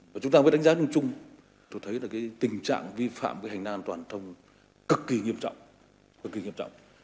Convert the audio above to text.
và chúng ta mới đánh giá chung tôi thấy là cái tình trạng vi phạm cái hành lang an toàn thông cực kỳ nghiêm trọng cực kỳ nghiêm trọng